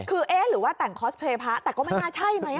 คือเอ๊ะหรือว่าแต่งคอสเพลย์พระแต่ก็ไม่น่าใช่ไหม